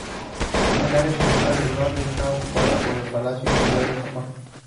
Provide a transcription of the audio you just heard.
El área central del barrio está ocupada por el Palacio Imperial de Japón.